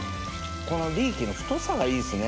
このリーキの太さがいいっすね。